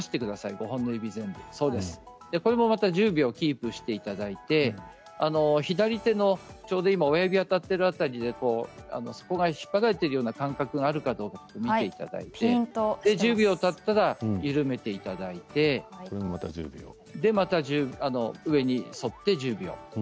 ５本の指全部１０秒キープしていただいて左手の親指が当たっている辺りそこが引っ張られているような感覚があるか見ていただいて１０秒たったら緩めていただいてまた上に反って１０秒。